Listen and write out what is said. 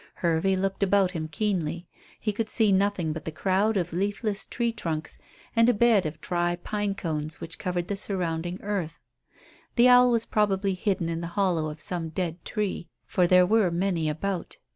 Hervey looked about him keenly. He could see nothing but the crowd of leafless tree trunks, and a bed of dry pine cones which covered the surrounding earth. The owl was probably hidden in the hollow of some dead tree, for there were many about.